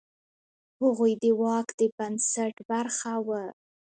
هغوی د واک د بنسټ برخه وه.